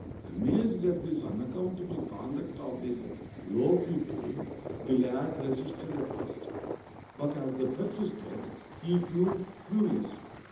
Amazed at this unaccountable conduct of these low people, the lad resisted at first, but as they persisted, he grew furious.